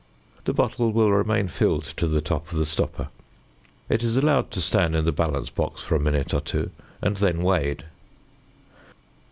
The bottle will remain filled to the top of the stopper. It is allowed to stand in the balance box for a minute or two, and then weighed.